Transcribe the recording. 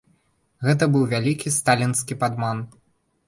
Гэта быў вялікі сталінскі падман.